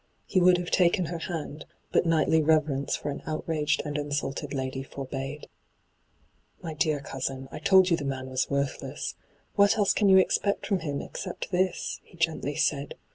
He would have taken her hand, but knightly reverence for an outraged and insulted lady forbade. ' My dear cousin, I told you the man wa« worthless. What else can you expect from him except this ?' he gently said.